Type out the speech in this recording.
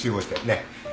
ねえ。